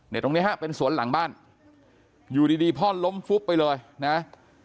ตรงนี้ฮะเป็นสวนหลังบ้านอยู่ดีพ่อล้มฟุบไปเลยนะ